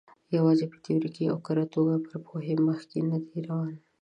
یوازې په تیوریکي او کره توګه پر پوهې مخکې نه دی روان.